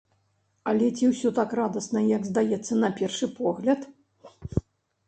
Але ці ўсё так радасна, як здаецца на першы погляд?